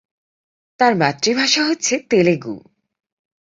তার মাতৃভাষা হচ্ছে তেলুগু।